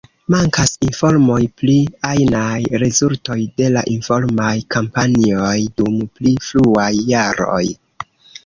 Mankas informoj pri ajnaj rezultoj de la informaj kampanjoj dum pli fruaj jaroj.